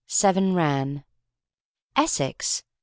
Seven ran." Essex!